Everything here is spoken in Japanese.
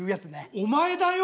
お前だよ！